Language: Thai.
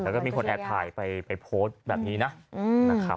แล้วก็มีคนแอดถ่ายไปโพสต์แบบนี้นะ